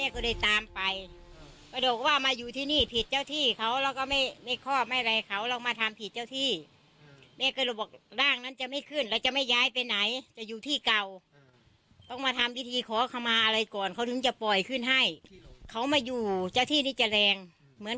ชิ้นเหล้าเปิดเครื่องเสียงแล้วก็ยิงปืน